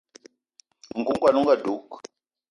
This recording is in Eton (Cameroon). Nku kwan on ga dug